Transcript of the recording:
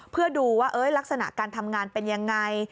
เพื่อดูว่าลักษณะการทำงานเป็นยังไง